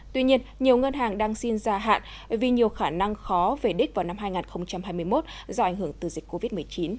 tuy nhiên nhiều ngân hàng đang xin gia hạn vì nhiều khả năng khó về đích vào năm hai nghìn hai mươi một do ảnh hưởng từ dịch covid một mươi chín